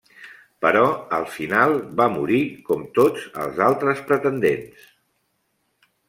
Però al final va morir com tots els altres pretendents.